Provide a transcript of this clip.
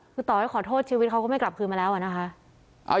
คือต่อให้ขอโทษชีวิตเขาก็ไม่กลับคืนมาแล้วอะนะคะ